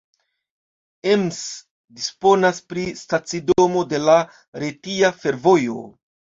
Ems disponas pri stacidomo de la Retia Fervojo.